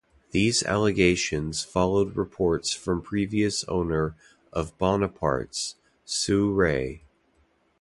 These allegations followed reports from previous owner of Bonapartes, Sue Ray.